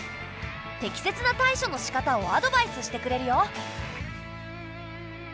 適切な対処のしかたをアドバイスしてくれるよ。